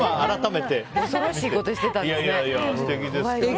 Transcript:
恐ろしいことしてたんですね。